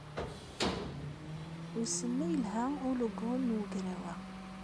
Wissen ma yelha ulugu n ugraw-a?